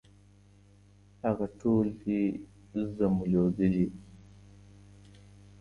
هغه ټول دي زمولېدلي